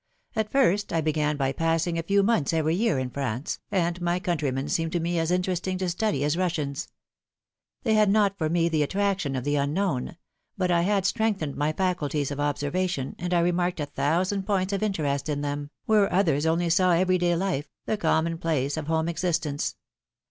At first I began by passing a few months every year in France, and my countrymen seemed to me as interesting to study as Russians. They had not for me the attraction of the un known; but I had strengthened my faculties of observation, and I remarked a thousand points of interest in them, where others only saw every day life, the common place of home existence.